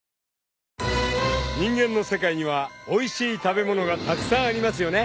［人間の世界にはおいしい食べ物がたくさんありますよね］